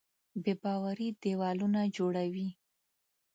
بېباوري دیوالونه جوړوي.